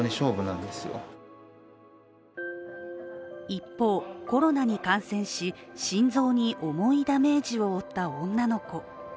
一方、コロナに感染し心臓に重いダメージを負った女の子。